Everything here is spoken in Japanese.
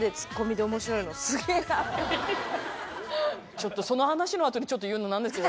ちょっとその話のあとにちょっと言うの何ですけど